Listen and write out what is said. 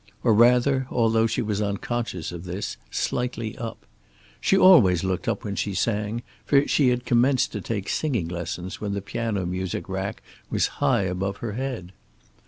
Or rather, although she was unconscious of this, slightly up. She always looked up when she sang, for she had commenced to take singing lessons when the piano music rack was high above her head.